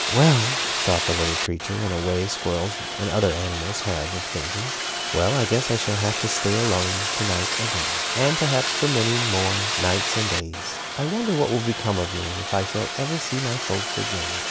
"Well," thought the little creature, in a way squirrels and other animals have of thinking, "well, I guess I shall have to stay alone to night again. And perhaps for many more nights and days. I wonder what will become of me, and if I shall ever see my folks again.